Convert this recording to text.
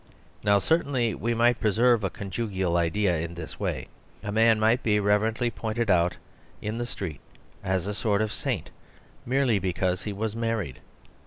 Now certainly we might preserve a conjugal ideal in this way. A man might be reverently pointed out in the street as a sort of saint, merely because he was married.